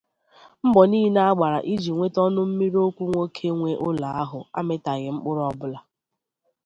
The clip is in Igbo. mbọ niile a gbara iji nwete ọnụmmiri okwu nwoke nwe ụlọ ahụ amịtàghị mkpụrụ ọbụla.